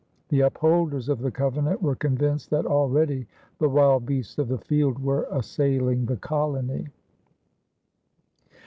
The upholders of the covenant were convinced that already "the Wild Beasts of the Field" were assailing the colony.